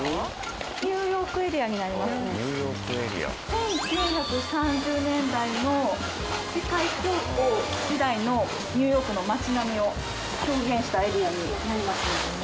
１９３０年代の世界恐慌時代のニューヨークの街並みを表現したエリアになります。